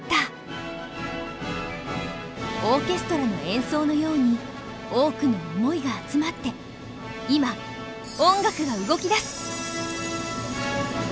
オーケストラの演奏のように多くの想いが集まって今音楽が動きだす！